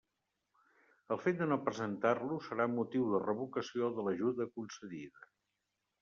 El fet de no presentar-lo serà motiu de revocació de l'ajuda concedida.